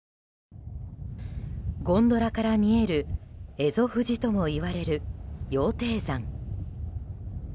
ゴンドラから見える蝦夷富士ともいわれる羊蹄山。